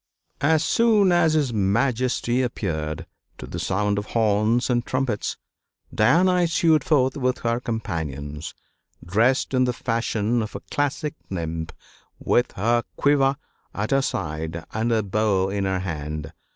As soon as his Majesty approached, to the sound of horns and trumpets Diana issued forth with her companions, dressed in the fashion of a classic nymph with her quiver at her side and her bow in her hand.